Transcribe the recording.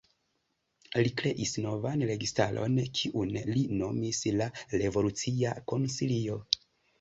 Li kreis novan registaron, kiun li nomis la "Revolucia Konsilio".